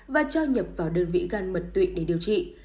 và cho nhập vào đơn vị gan mật tụy để điều trị